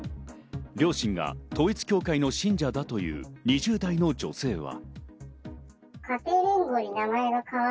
両親が統一教会の信者だという２０代の女性は。